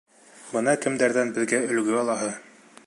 Бына кемдәрҙән беҙгә өлгө алаһы!